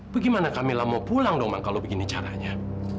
bagaimana kamilah mau pulang dong bang kalau begini caranya